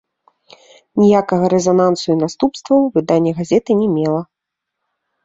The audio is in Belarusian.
Ніякага рэзанансу і наступстваў выданне газеты не мела.